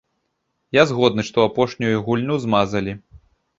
Я згодны, што апошнюю гульню змазалі.